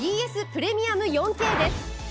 プレミアム４Ｋです。